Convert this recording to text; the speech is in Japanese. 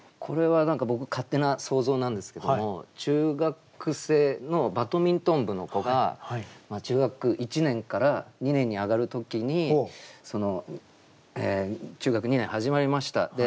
これは何か僕勝手な想像なんですけども中学生のバドミントン部の子が中学１年から２年に上がる時にその中学２年始まりました。